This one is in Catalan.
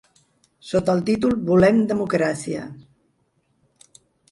Sota el títol Volem democràcia!